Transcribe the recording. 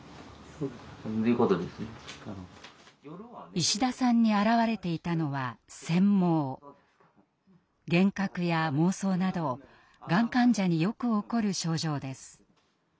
石田さんに現れていたのは幻覚や妄想などがん患者によく起こる症状です。